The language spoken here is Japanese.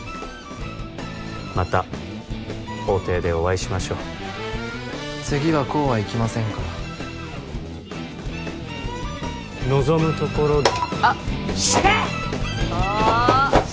また法廷でお会いしましょう次はこうはいきませんから望むところしゃっ！